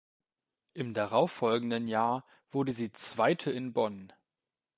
Im darauffolgenden Jahr wurde sie Zweite in Bonn.